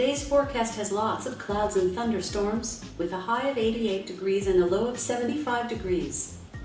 hari ini perhubungan memiliki banyak bintang dan tunduk dengan tingkat delapan puluh delapan derajat celcius dan kebanyakan tujuh puluh lima derajat celcius